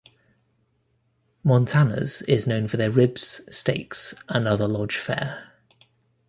Montana's is known for their ribs, steaks and other lodge fare.